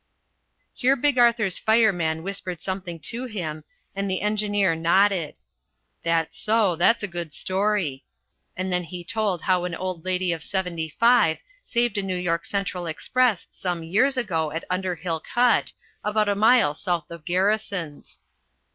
Here Big Arthur's fireman whispered something to him, and the engineer nodded. "That's so, that's a good story," and then he told how an old lady of seventy five saved a New York Central express some years ago at Underhill Cut, about a mile south of Garrisons.